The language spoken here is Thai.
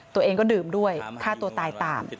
ตัวเองก็ดื่มด้วยฆ่าตัวตายตาม